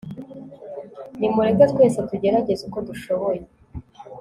Nimureke twese tugerageze uko dushoboye